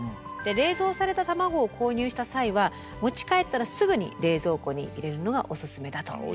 冷蔵された卵を購入した際は持ち帰ったらすぐに冷蔵庫に入れるのがオススメだということです。